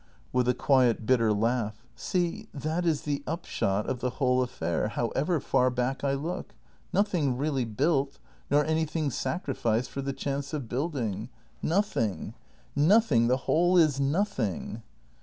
[With a quiet, bitter laugh.] See, that is the upshot of the whole affair, however far back I look. Nothing really built; nor anything sacrificed for the chance of building. Noth ing, nothing! the whole is nothing!